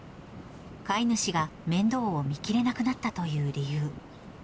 飼い主が面倒を見切れなくなったという理由。